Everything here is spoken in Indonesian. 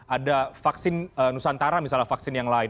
ada vaksin nusantara misalnya vaksin yang lain